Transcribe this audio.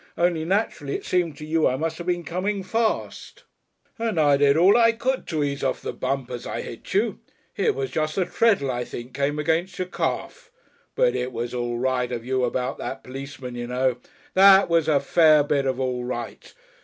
Only naturally it seems to you I must have been coming fast. And I did all I could to ease off the bump as I hit you. It was just the treadle I think came against your calf. But it was All Right of you about that policeman, you know. That was a Fair Bit of All Right.